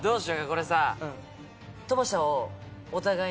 これさ。